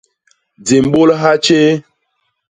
Di mbôlha tjéé.